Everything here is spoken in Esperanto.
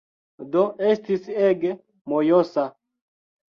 Do, estis ege mojosa.